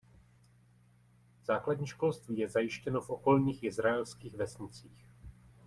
Základní školství je zajištěno v okolních izraelských vesnicích.